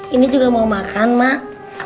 ini juga mau makan mah